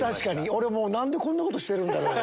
俺も何でこんなことしてるんだろう？